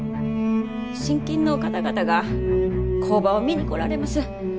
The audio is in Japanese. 信金の方々が工場を見に来られます。